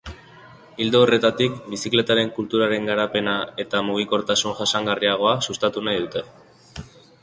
Ildo horretatik, bizikletaren kulturaren garapena eta mugikortasun jasangarriagoa sustatu nahi dute.